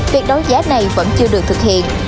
việc đấu giá này vẫn chưa được thực hiện